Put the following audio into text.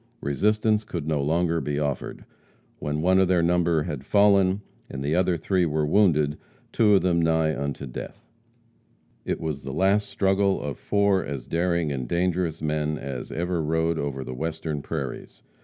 Resistance could no longer be offered, when one of their number had fallen, and the other three were wounded, two of them nigh unto death. It was the last struggle of four as daring and dangerous men as ever rode over the Western prairies.